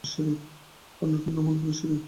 আর নুন্টুর নাম হল ফুলেশ্বরী।